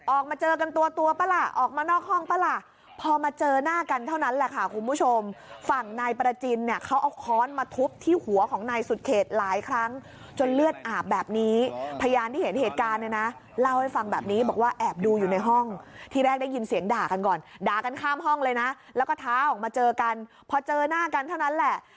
ออกมาเจอกันตัวตัวป่ะล่ะออกมานอกห้องป่ะล่ะพอมาเจอหน้ากันเท่านั้นแหละค่ะคุณผู้ชมฝั่งนายประจินเนี่ยเขาเอาค้อนมาทุบที่หัวของนายสุดเขตหลายครั้งจนเลือดอาบแบบนี้พยานที่เห็นเหตุการณ์เนี่ยนะเล่าให้ฟังแบบนี้บอกว่าแอบดูอยู่ในห้องที่แรกได้ยินเสียงด่ากันก่อนด่ากันข้ามห้องเลยนะแล้วก็ท้าออกมาเจอกันพอเจอหน้ากันเท่านั้นแหละ